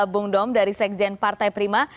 bung dom dari sekjen partai prima